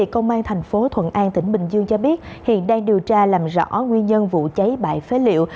công an thành phố thuận an tỉnh bình dương cho biết hiện đang điều tra làm rõ nguyên nhân vụ cháy bãi phế liệu